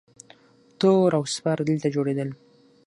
توره او سپر دلته جوړیدل